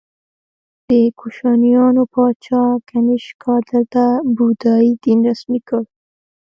د کوشانیانو پاچا کنیشکا دلته بودايي دین رسمي کړ